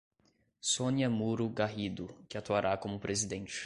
Sonia Muro Garrido, que atuará como presidente.